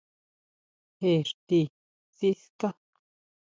¿ Jé íxti siská?